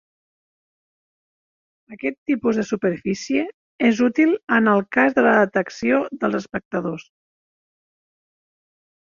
Aquest tipus de superfície és útil en el cas de la detecció dels espectadors.